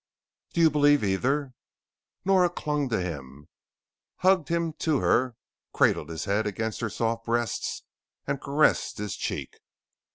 "Don't you believe either?" Nora clung to him, hugged him to her, cradled his head against her soft breasts and caressed his cheek.